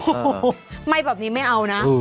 โอ้โหไหม้แบบนี้ไม่เอานะ